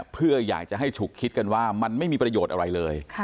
เพื่ออยากจะให้ฉุกคิดกันว่ามันไม่มีประโยชน์อะไรเลย